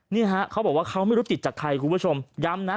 นี่ฮะเขาบอกว่าเขาไม่รู้ติดจากใครคุณผู้ชมย้ำนะ